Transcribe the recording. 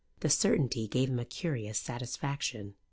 The certainty gave him a curious satisfaction.